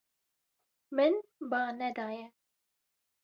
Min ba nedaye.